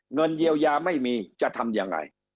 เงินเยียวยาไม่มีจะทำยังไง